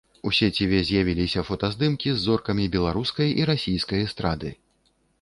У сеціве з'явіліся фотаздымкі з зоркамі беларускай і расійскай эстрады.